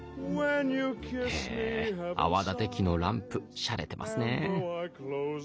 へぇ泡立て器のランプしゃれてますね。